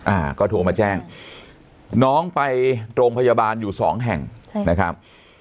อ่าก็โทรมาแจ้งน้องไปโรงพยาบาลอยู่สองแห่งใช่นะครับ